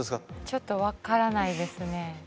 ちょっと分からないですね。